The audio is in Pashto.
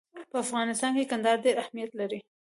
په افغانستان کې کندهار ډېر اهمیت لري.